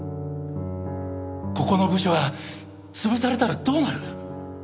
ここの部署が潰されたらどうなる？